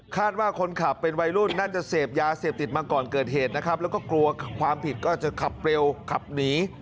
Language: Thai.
ว่าคนขับเป็นวัยรุ่นน่าจะเสพยาเสพติดมาก่อนเกิดเหตุนะครับแล้วก็กลัวความผิดก็จะขับเร็วขับหนี